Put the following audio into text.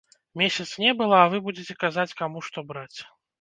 Месяц не была, а вы будзеце казаць, каму што браць.